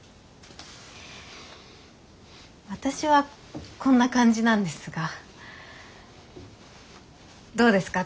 私はこんな感じなんですがどうですか？